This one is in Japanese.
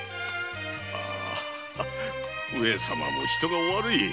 あ上様も人がお悪い。